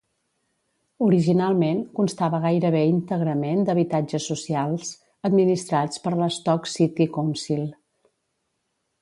Originalment, constava gairebé íntegrament d'habitatges socials, administrats per l'Stoke City Council.